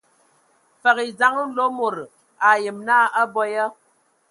Fəg e dzeŋa Mlomodo, a ayem naa a abɔ ya.